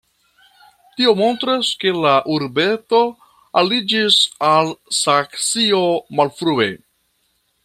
Tio montras, ke la urbeto aliĝis al Saksio malfrue.